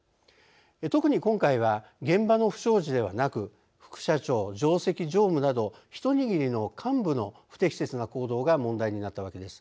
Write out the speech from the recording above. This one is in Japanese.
特に今回は現場の不祥事ではなく副社長・上席常務など一握りの幹部の不適切な行動が問題になったわけです。